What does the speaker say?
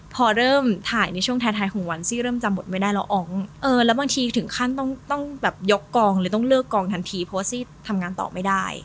พอเริ่มถ่ายในช่วงท้ายของวันซี่เริ่มจำบทไม่ได้แล้วอ๋องเออแล้วบางทีถึงขั้นต้องแบบยกกองเลยต้องเลือกกองทันทีเพราะว่าซี่ทำงานต่อไม่ได้